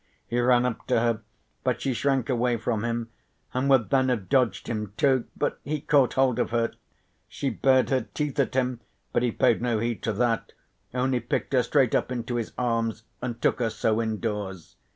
He ran up to her but she shrank away from him, and would then have dodged him too, but he caught hold of her. She bared her teeth at him but he paid no heed to that, only picked her straight up into his arms and took her so indoors.